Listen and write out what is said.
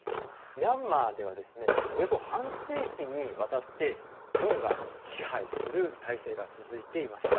ミャンマーではおよそ半世紀にわたって軍が支配する体制が続いていました。